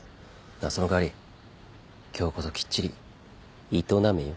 その代わり今日こそきっちり営めよ。